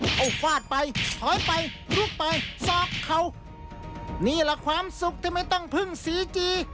เอาฟาดไปถอยไปลุกไปสอกเขานี่แหละความสุขที่ไม่ต้องพึ่งสีจี